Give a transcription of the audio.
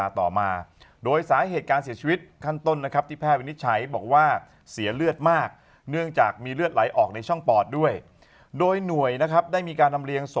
ผมอมลุกอมนี่กินปลำหมึกทั้งตัวเลยเนี่ย